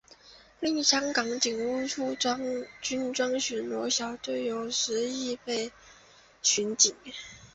另香港警务处军装巡逻小队有时亦被称为巡警。